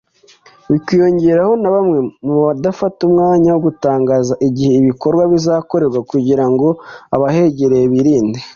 bikiyongeraho na bamwe mu badafata umwanya wo gutangaza igihe ibikorwa bizakorerwa kugira ngo abahegereye birinde